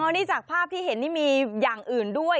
นี่จากภาพที่เห็นนี่มีอย่างอื่นด้วย